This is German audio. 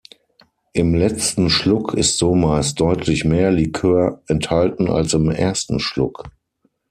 Im letzten Schluck ist so meist deutlich mehr Likör enthalten als im ersten Schluck.